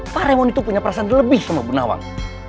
pak raymond itu punya perasaan lebih sama bu nawang